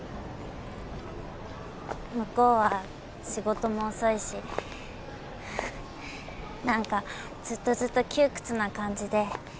向こうは仕事も遅いしなんかずっとずっと窮屈な感じで。